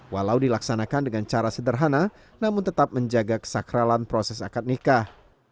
walau dilaksanakan dengan cara sederhana namun tetap menjaga kesakralan proses akad nikah